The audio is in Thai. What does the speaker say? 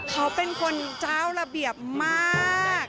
เขาเป็นคนเจ้าระเบียบมาก